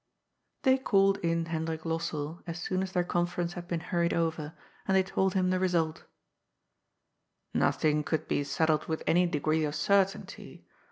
They called in Hendrik Lossell, as soon as their con ference had been hurried over, and they told him the result ^^ Nothing could be settled with any degree of certainty.